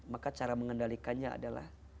maka cara mengendalikannya adalah